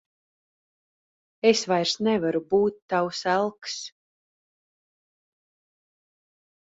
Es vairs nevaru būt tavs elks.